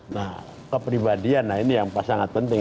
nah kepribadian nah ini yang sangat penting